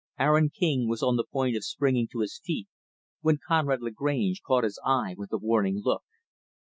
Aaron King was on the point of springing to his feet, when Conrad Lagrange caught his eye with a warning look.